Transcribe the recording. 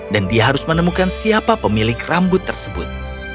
dan dia harus menemukan siapa pemilik rambut tersebut